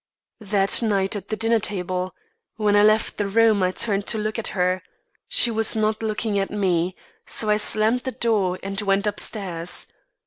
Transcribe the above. "That night at the dinner table. When I left the room, I turned to look at her. She was not looking at me; so I slammed the door and went upstairs.